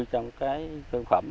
trong cái thương phẩm